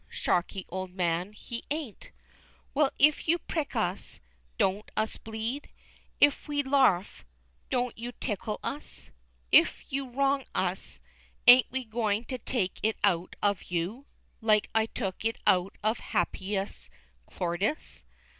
Shakey, old man, he ain't!) Well, if you prick us, don't us bleed? if we larf, don't you tickle us? and if you wrong us, ain't we goin' to take it out of you, like I took it out o' Happyus Clordyus?"